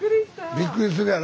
びっくりするやろ。